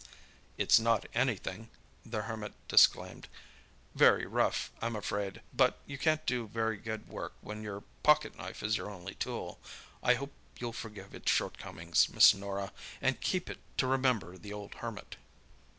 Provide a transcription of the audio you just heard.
"It's not anything," the Hermit disclaimed—"very rough, I'm afraid. But you can't do very good work when your pocket knife is your only tool. I hope you'll forgive its shortcomings, Miss Norah, and keep it to remember the old Hermit."